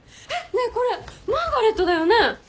ねえこれマーガレットだよね？